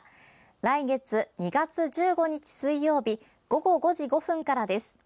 来月２月１５日、水曜日午後５時５分からです。